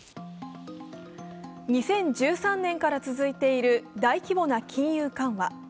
２０１３年から続いている大規模な金融緩和。